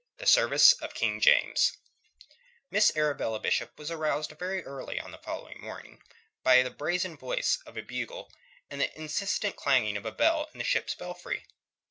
THE SERVICE OF KING JAMES Miss Arabella Bishop was aroused very early on the following morning by the brazen voice of a bugle and the insistent clanging of a bell in the ship's belfry.